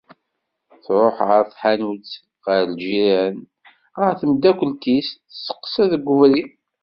Tṛuḥ ɣer tḥanut, ɣer ljiran, ɣer tmeddakelt-is, testeqsa deg ubrid…